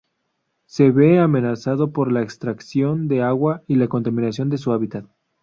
Se ve amenazado por la extracción de agua y la contaminación de su hábitat.